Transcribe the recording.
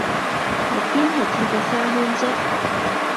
你邊係睇個花園啫？